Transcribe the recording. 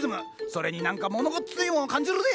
それに何かものごっついもんを感じるで！